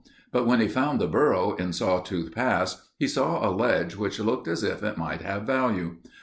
But when he found the burro in Sawtooth Pass he saw a ledge which looked as if it might have values.